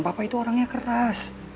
papa itu orangnya keras